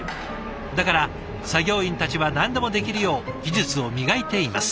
だから作業員たちは何でもできるよう技術を磨いています。